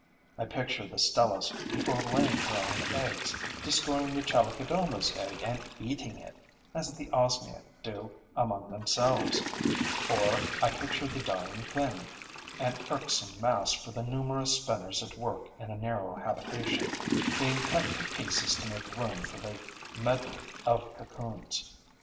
I picture the Stelis, before laying her own eggs, destroying the Chalicodoma's egg and eating it, as the Osmiae do among themselves; or I picture the dying thing, an irksome mass for the numerous spinners at work in a narrow habitation, being cut to pieces to make room for the medley of cocoons.